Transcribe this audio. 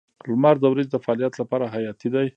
• لمر د ورځې د فعالیت لپاره حیاتي دی.